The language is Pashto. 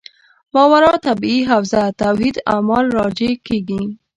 ماورا الطبیعي حوزه توحید اعمال راجع کېږي.